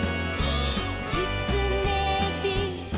「きつねび」「」